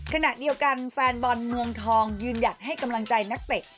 ขณะเดียวกันแฟนบอลเมืองทองยืนหยัดให้กำลังใจนักเตะ